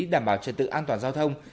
đảm bảo trật tự an toàn giao thông